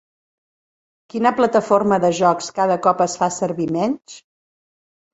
Quina plataforma de jocs cada cop es fa servir menys?